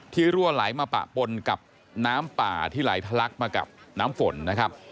รั่วไหลมาปะปนกับน้ำป่าที่ไหลทะลักมากับน้ำฝนนะครับ